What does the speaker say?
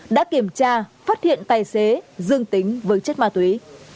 đã kiểm tra phát hiện tài xế dương tính với chất ma túy